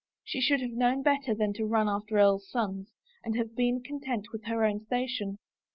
She should have known better than nm after earl's sons, and have been content with her own station.